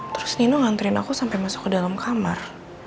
terus nino nganterin aku sampai masuk ke dalam kamar